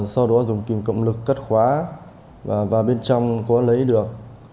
sau đó dùng kìm cộng lực cắt khóa và bên trong có lấy được